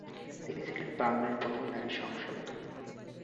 তিনি ছিলেন বাংলার প্রথম নারী সাংসদ।